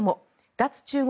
脱中国